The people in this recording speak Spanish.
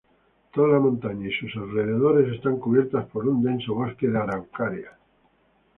Toda la montaña y sus alrededores están cubiertos por un denso bosque de Araucaria.